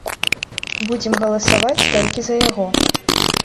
Будзем галасаваць толькі за яго.